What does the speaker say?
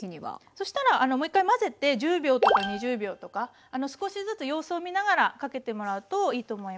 そしたらもう一回混ぜて１０秒とか２０秒とか少しずつ様子を見ながらかけてもらうといいと思います。